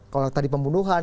kalau tadi pembunuhan